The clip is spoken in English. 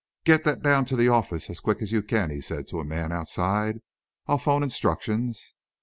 "Get that down to the office, as quick as you can," he said, to a man outside. "I'll 'phone instructions.